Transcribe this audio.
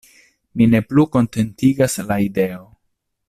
Min ne plu kontentigas la ideo!